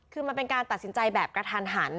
คือมันเป็นการตัดสินใจแบบกระทันหัน